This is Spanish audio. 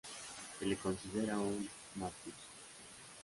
Se le considera un mártir.